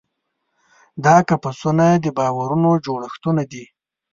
دا قفسونه د باورونو جوړښتونه دي.